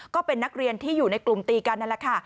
ก็เป็นนักเรียนที่อยู่ในกลุ่มตีกันนั่นแหละค่ะ